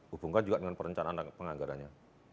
hubungkan juga dengan perencanaan penganggarannya